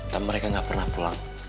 dan mereka nggak pernah pulang